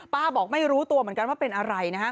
ป๊าบอกไม่รู้ตัวเหมือนกันว่าเป็นอะไร